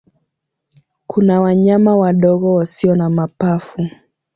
Kuna wanyama wadogo wasio na mapafu.